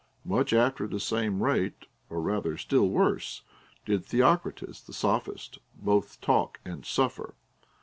Much after the same rate, or rather still worse, did Theocritus the Sophist both talk and suffer.